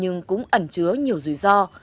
nhưng cũng ẩn chứa nhiều rủi ro